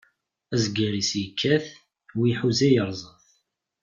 Azger-is ikkat, wi iḥuza iṛẓa-t.